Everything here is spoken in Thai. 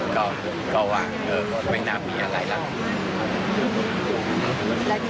ทางไว้ก่อนแล้วก็รีบลงไป